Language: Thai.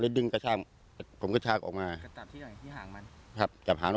ผมเลยดึงกระชากผมกระชากออกมา